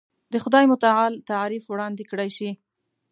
د خدای متعالي تعریف وړاندې کړای شي.